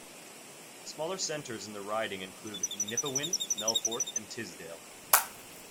Smaller centres in the riding include Nipawin, Melfort, and Tisdale.